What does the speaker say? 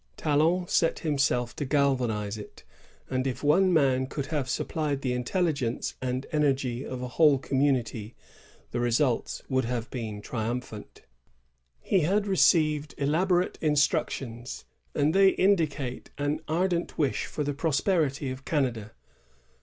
Talon set himself to galvanize it; and if one man could have supplied the intelligence and energy of a whole community, the results would have been triumphant. He had received elaborate instructions, and they indicate an ardent wish for the prosperity of Canada.